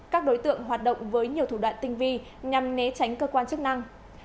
các đối tượng hoạt động với nhiều thủ đoạn tinh vi nhằm né tránh cơ quan chức năng